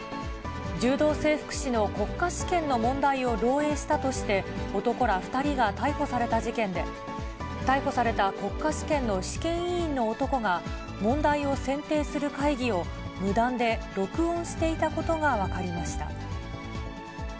柔道整復師の国家試験の問題を漏えいしたとして、男ら２人が逮捕された事件で、逮捕された国家試験の試験委員の男が、問題を選定する会議を、無断で録音していたことが分かりました。